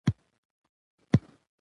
د پرېکړو روڼتیا شک له منځه وړي